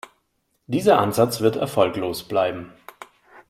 Dieser Ansatz wird erfolglos bleiben.